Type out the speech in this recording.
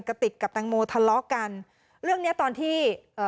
ติกกับแตงโมทะเลาะกันเรื่องเนี้ยตอนที่เอ่อ